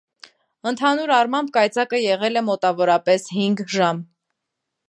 Ընդհանուր առմամբ կայծակը եղել է մոտավորապես հինգ ժամ։